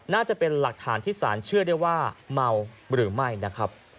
น่าจะเป็นหลักฐานที่สารเชื่อได้ว่าเมาหรือไม่นะครับ